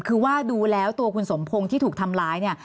คือว่าดูแล้วตัวคุณสมพงศ์ที่ถูกทำร้ายเนี่ย